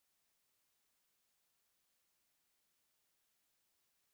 Ikintu cyose gishobora kumvikana nabi kizaba.